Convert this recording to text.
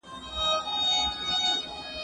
زه بايد کښېناستل وکړم،